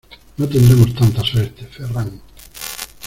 ¡No tendremos tanta suerte, Ferran!